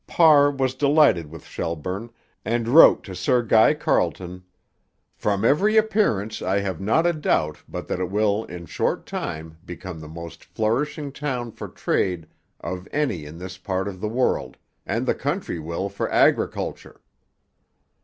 Parr was delighted with Shelburne, and wrote to Sir Guy Carleton, 'From every appearance I have not a doubt but that it will in a short time become the most flourishing Town for trade of any in this part of the world, and the country will for agriculture.'